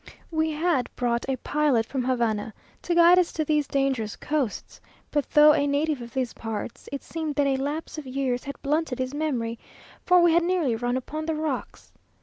We had brought a pilot from Havana to guide us to these dangerous coasts, but though a native of these parts, it seemed that a lapse of years had blunted his memory, for we had nearly run upon the rocks.